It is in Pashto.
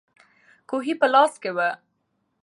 کوهی په لاس کې وو.